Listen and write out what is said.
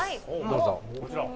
どうぞ。